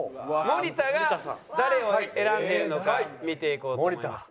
森田が誰を選んでいるのか見ていこうと思います。